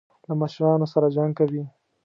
له مشرانو سره جنګ کوي.